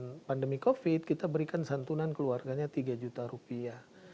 karena pandemi covid kita berikan santunan keluarganya tiga juta rupiah